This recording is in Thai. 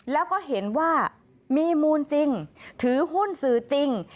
แล้วก็เห็นว่ามีมูลจริงถือหุ้นสื่อจริง